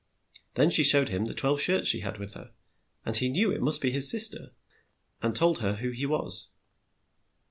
Then she showed him the twelve shirts she had with her, and he knew it must be his sis ter, and told her who he was.